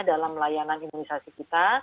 dalam layanan imunisasi kita